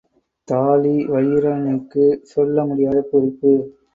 தாழிவயிறனுக்குச் சொல்ல முடியாத பூரிப்பு.